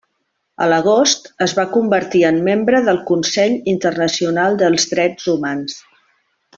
A l'agost es va convertir en membre del Consell Internacional dels Drets Humans.